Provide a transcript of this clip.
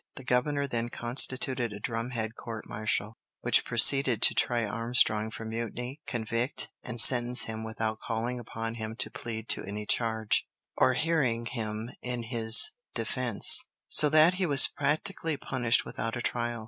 The governor then constituted a drumhead court martial, which proceeded to try Armstrong for mutiny, convict, and sentence him without calling upon him to plead to any charge, or hearing him in his defence; so that he was practically punished without a trial.